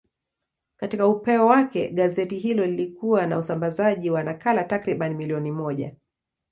Katika upeo wake, gazeti hilo lilikuwa na usambazaji wa nakala takriban milioni moja.